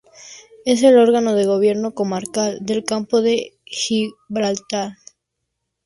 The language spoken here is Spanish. Es el órgano de gobierno comarcal del Campo de Gibraltar.